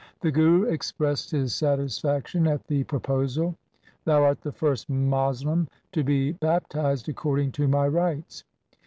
The Guru expressed his satisfaction at the proposal. ' Thou art the first Moslem to be baptized according to my rites.